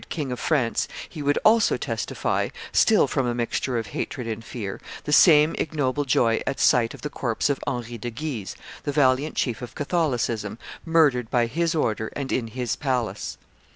King of France, he would also testify, still from a mixture of hatred and fear, the same ignoble joy at sight of the corpse of Henry de Guise, the valiant chief of Catholicism, murdered by his order and in his palace.